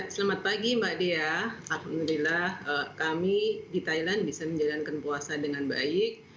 selamat pagi mbak dea alhamdulillah kami di thailand bisa menjalankan puasa dengan baik